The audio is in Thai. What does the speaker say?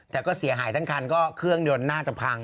แต่ก็เสียหายทั้งคันก็เครื่องยนต์น่าจะพัง